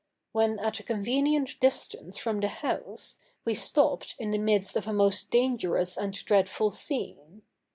When at a convenient distance from the house, we stopped in the midst of a most dangerous and dreadful scene.